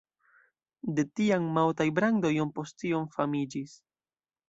De tiam Maotai-brando iom post iom famiĝis.